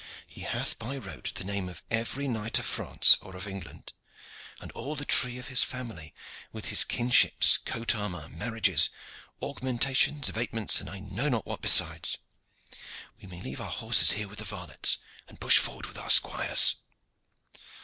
He hath by rote the name of every knight of France or of England; and all the tree of his family, with his kinships, coat armor, marriages, augmentations, abatements, and I know not what beside. We may leave our horses here with the varlets, and push forward with our squires."